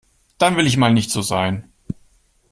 Dann will ich mal nicht so sein.